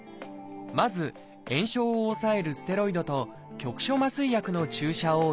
まず炎症を抑えるステロイドと局所麻酔薬の注射を４回。